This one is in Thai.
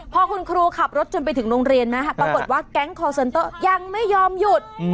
พอคุณครูขับรถจนไปถึงโรงเรียนไหมปรากฏว่าแก๊งคอร์เซนเตอร์ยังไม่ยอมหยุด